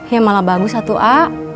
ya malah bagus satu a